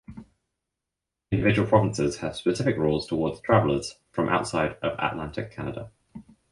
Individual provinces have specific rules toward travellers from outside of Atlantic Canada.